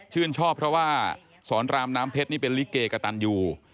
ชอบเพราะว่าสอนรามน้ำเพชรนี่เป็นลิเกกระตันยู